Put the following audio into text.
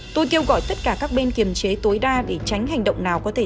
tôi kêu gọi tất cả các bên kiềm chế tối đa để tránh hành động nào có thể